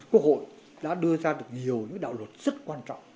quốc hội đã đưa ra được nhiều những đạo luật rất quan trọng